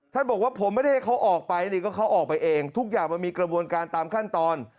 ท่านบอกว่าผมไม่ได้ให้เขาออกไปนี่ก็เขาออกไปเองทุกอย่างมันมีกระบวนการตามขั้นตอน